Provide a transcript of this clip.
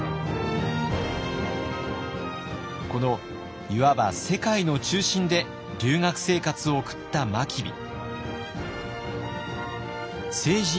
このいわば世界の中心で留学生活を送った真備。